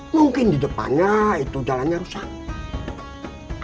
mungkin di depannya itu jalannya rusak